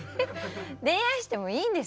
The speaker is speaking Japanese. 恋愛してもいいんですよ。